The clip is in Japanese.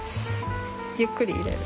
ゆっくり入れる。